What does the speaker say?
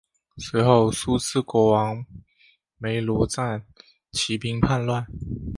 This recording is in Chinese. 随后苏毗国王没庐赞起兵叛乱。